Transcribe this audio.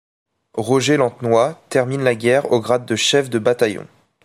Roger Lantenois termine la guerre au grade de chef de bataillon.